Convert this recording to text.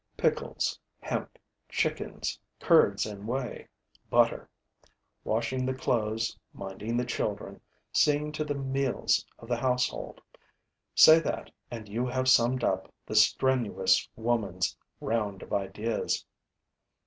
Pickles, hemp, chickens, curds and whey, butter; washing the clothes, minding the children, seeing to the meals of the household: say that and you have summed up the strenuous woman's round of ideas.